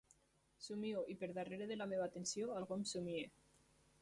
Somio, i per darrere de la meva atenció algú em somia.